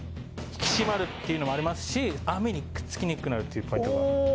引き締まるっていうのもありますし、網にくっつきにくくなる。